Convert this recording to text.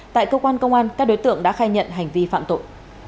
tại cơ quan công an các đối tượng đã khai nhận hành vi phạm tội